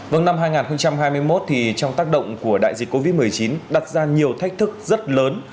vâng năm hai nghìn hai mươi một thì trong tác động của đại dịch covid một mươi chín đặt ra nhiều thách thức rất lớn